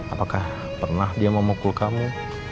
apakah pernah dia memukul kamu